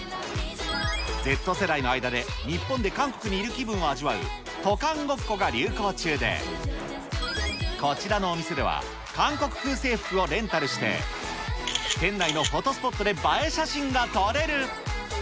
Ｚ世代の間で、日本で韓国にいる気分を味わう、渡韓ごっこが流行中で、こちらのお店では、韓国風制服をレンタルして、店内のフォトスポットで映え写真が撮れる。